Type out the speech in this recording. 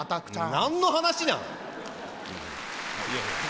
何の話なん！？